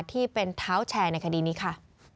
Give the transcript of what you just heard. ที่เป็นเท้าแชร์ในคดีนี้ค่ะ